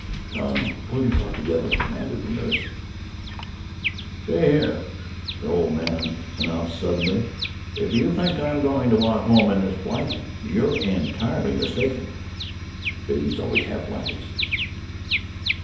"Come! Pull yourself together," commanded the nurse. "See here," the old man announced suddenly, "if you think I'm going to walk home in this blanket, you're entirely mistaken." "Babies always have blankets."